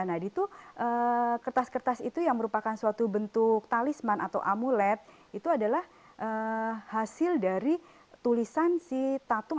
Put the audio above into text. nah itu kertas kertas itu yang merupakan suatu bentuk talisman atau amulet itu adalah hasil dari tulisan si tatung